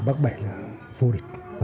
bác bảy là vô địch